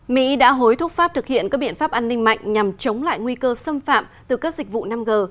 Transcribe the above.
mỹ đã hối thúc pháp thực hiện các biện pháp an ninh mạnh nhằm chống lại nguy cơ xâm phạm từ các dịch vụ năm g